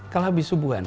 kalau habis subuhan